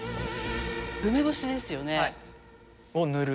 梅干しですよね？を塗る。